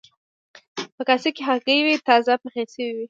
په کاسه کې هګۍ وې تازه پخې شوې وې.